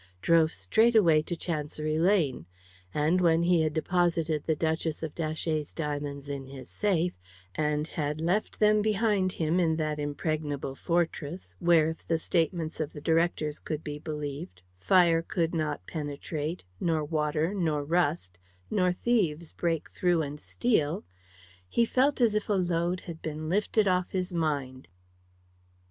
Drove straight away to Chancery Lane. And, when he had deposited the Duchess of Datchet's diamonds in his safe, and had left them behind him in that impregnable fortress, where, if the statements of the directors could be believed, fire could not penetrate, nor water, nor rust, nor thieves break through and steal, he felt as if a load had been lifted off his mind.